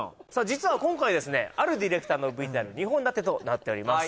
実は今回ですねあるディレクターのＶＴＲ２本立てとなっております